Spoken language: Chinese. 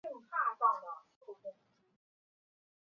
歧伞香茶菜为唇形科香茶菜属下的一个种。